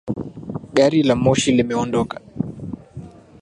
Gari la moshi limeondoka.